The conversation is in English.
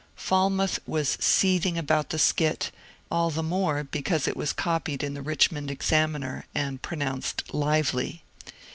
Falmouth was seething about the skit, all the more because it was copied in the ^' Richmond Examiner," and pronounced " lively."